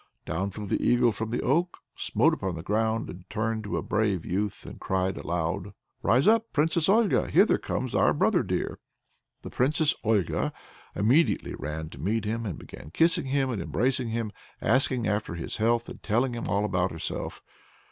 Down flew the eagle from the oak, smote upon the ground, turned into a brave youth, and cried aloud: "Rise up, Princess Olga! Hither comes our brother dear!" The Princess Olga immediately ran to meet him, and began kissing him and embracing him, asking after his health and telling him all about herself.